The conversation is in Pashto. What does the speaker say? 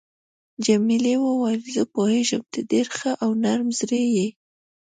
جميلې وويل: زه پوهیږم ته ډېر ښه او نرم زړی یې.